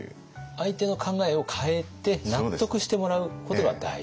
相手の考えを変えて納得してもらうことが大事。